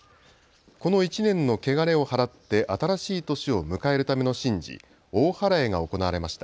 この１年のけがれをはらって新しい年を迎えるための神事、大祓が行われました。